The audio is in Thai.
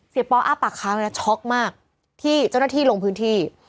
ปออ้าปากค้างเลยนะช็อกมากที่เจ้าหน้าที่ลงพื้นที่